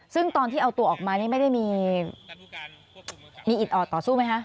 ซึ่งตอนที่เอาตัวออกมานี่ไม่ได้มีอิดออดต่อสู้ไหมคะ